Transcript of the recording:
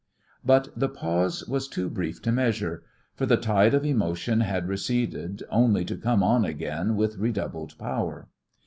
But the pause was too brief to measure. For the tide of emotion had receded only to come on again with redoubled power.